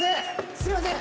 すいません！